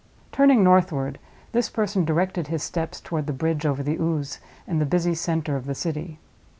Turning northward, this person directed his steps toward the bridge over the Ouse and the busy center of the city.